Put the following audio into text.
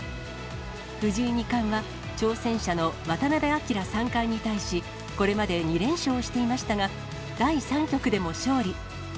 藤井二冠は挑戦者の渡辺明三冠に対し、これまで２連勝していましたが、第３局でも勝利。